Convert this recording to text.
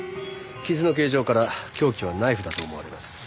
傷の形状から凶器はナイフだと思われます。